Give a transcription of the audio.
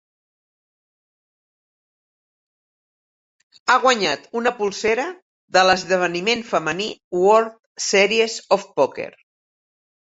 Ha guanyat una polsera de l'esdeveniment femení World Series of Poker.